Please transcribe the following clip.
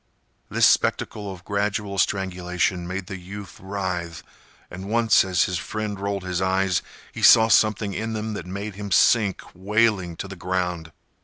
This spectacle of gradual strangulation made the youth writhe, and once as his friend rolled his eyes, he saw something in them that made him sink wailing to the ground.